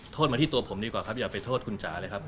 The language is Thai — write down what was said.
โทษมาที่ตัวผมดีกว่าครับอย่าไปโทษคุณจ๋าเลยครับ